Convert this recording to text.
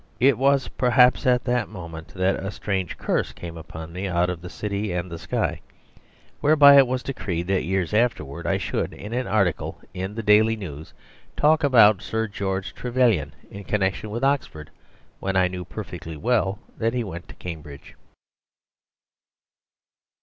It was, perhaps, at that moment that a strange curse came upon me out of the city and the sky, whereby it was decreed that years afterwards I should, in an article in the DAILY NEWS, talk about Sir George Trevelyan in connection with Oxford, when I knew perfectly well that he went to Cambridge.